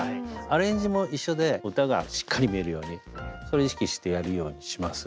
アレンジも一緒で歌がしっかり見えるようにそれ意識してやるようにします。